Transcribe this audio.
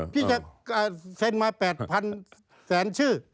พี่จะเซ็นมาแปดพันแสนชื่อ